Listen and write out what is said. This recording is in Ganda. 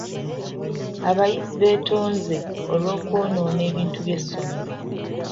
Abayizi beetonze olw'okwonoona ebintu by'essomero.